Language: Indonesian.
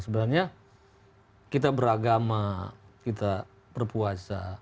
sebenarnya kita beragama kita berpuasa